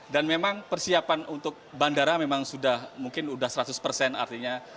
dan memang persiapan untuk bandara memang sudah mungkin sudah seratus persen artinya